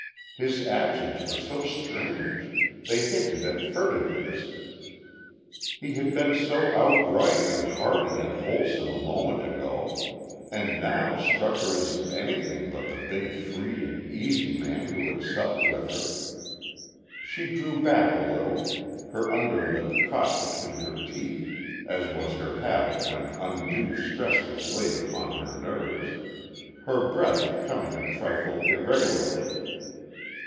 His actions were so strange; they hinted at furtiveness. He had been so outright and hearty and wholesome a moment ago and now struck her as anything but the big free and easy man who had supped with her. She drew back a little, her underlip caught between her teeth as was her habit when undue stress was laid upon her nerves, her breath coming a trifle irregularly.